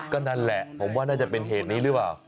ก็นั่นแหละผมว่าน่าจะเป็นเหตุนี้หรือเปล่า